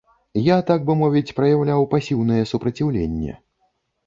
Я, так бы мовіць, праяўляў пасіўнае супраціўленне.